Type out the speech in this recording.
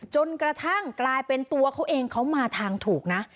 จนกระทั่งกลายเป็นตัวเขาเองเขามาทางถูกนะ